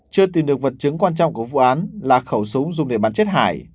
chưa tìm được vật chứng quan trọng của vụ án là khẩu súng dùng để bắn chết hải